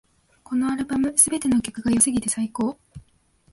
このアルバム、すべての曲が良すぎて最高